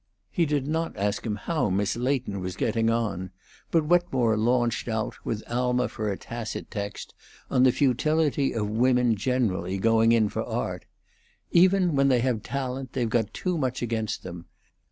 He did not ask him how Miss Leighton was getting on; but Wetmore launched out, with Alma for a tacit text, on the futility of women generally going in for art. "Even when they have talent they've got too much against them.